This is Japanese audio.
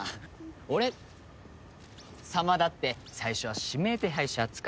俺様だって最初は指名手配者扱い。